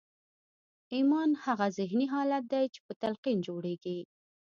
ایمان هغه ذهني حالت دی چې په تلقین جوړېږي